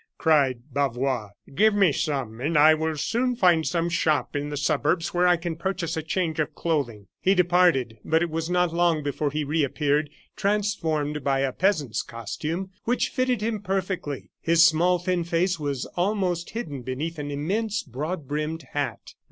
cried Bavois. "Give me some, and I will soon find some shop in the suburbs where I can purchase a change of clothing." He departed; but it was not long before he reappeared, transformed by a peasant's costume, which fitted him perfectly. His small, thin face was almost hidden beneath an immense broad brimmed hat.